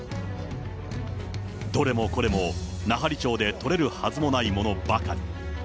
どれもこれも奈半利町で取れるはずもないものばかり。